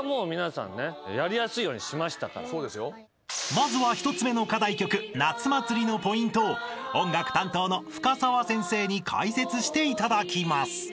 ［まずは１つ目の課題曲『夏祭り』のポイントを音楽担当の深澤先生に解説していただきます］